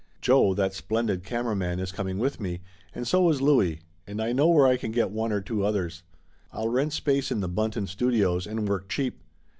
Joe, that splendid camera man, is coming with me, and so is Louie, and I know where I can get one or two others. I'll rent space in the Bunton Studios and work cheap.